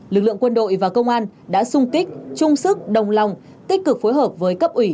lực lượng quân đội và công an đã sung kích chung sức đồng lòng tích cực phối hợp với cấp ủy